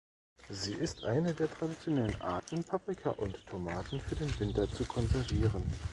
Sie ist eine der traditionellen Arten, Paprika und Tomaten für den Winter zu konservieren.